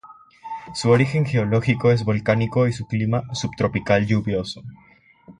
Su origen geológico es volcánico y su clima, subtropical lluvioso.